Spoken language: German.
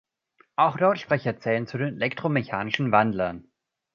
Auch Lautsprecher zählen zu den elektromechanischen Wandlern.